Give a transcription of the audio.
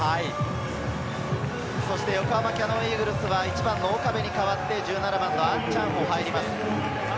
横浜キヤノンイーグルスは１番の岡部に代わって、１７番の安昌豪が入ります。